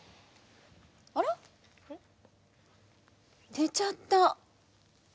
寝ちゃった。